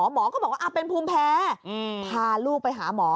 หมอก็บอกว่าเป็นภูมิแพ้พาลูกไปหาหมอ